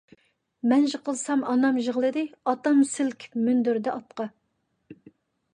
مەن يىقىلسام ئانام يىغلىدى، ئاتام سىلكىپ مىندۈردى ئاتقا.